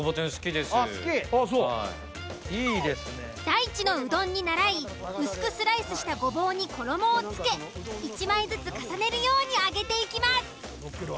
「大地のうどん」にならい薄くスライスしたゴボウに衣を付け１枚ずつ重ねるように揚げていきます。